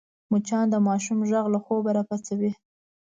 مچان د ماشوم غږ له خوبه راپاڅوي